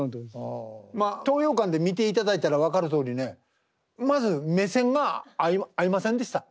まあ東洋館で見ていただいたら分かるとおりねまず目線が合いませんでした。